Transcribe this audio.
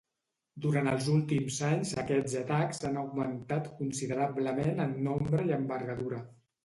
Durant els últims anys aquests atacs han augmentat considerablement en nombre i envergadura.